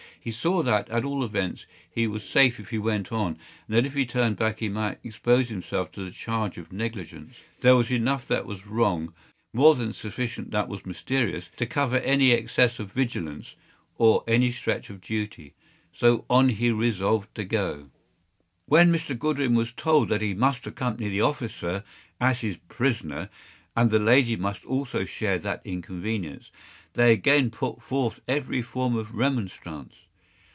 He saw that, at all events, he was safe if he went on, and that if he turned back he might expose himself to the charge of negligence. There was enough that was wrong, more than sufficient that was mysterious, to cover any excess of vigilance, or any stretch of duty. So on he resolved to go. When Mr. Goodwin was told that he must accompany the officer as his prisoner, and that the lady must also share that inconvenience, they again put forth every form of remonstrance.